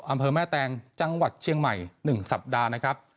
อำเภอแม่แตงจังหวัดเชียงใหม่๑สัปดาห์นะครับ